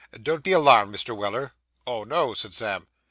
'Don't be alarmed, Mr. Weller.' 'Oh, no,' said Sam.